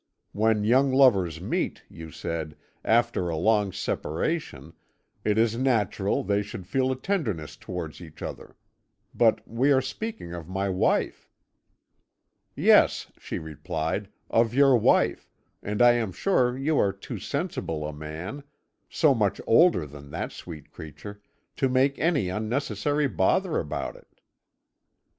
When young lovers meet, you said, after a long separation, it is natural they should feel a tenderness towards each other. But we are speaking of my wife.' "'Yes,' she replied, 'of your wife, and I am sure you are too sensible a man so much older than that sweet creature! to make any unnecessary bother about it.'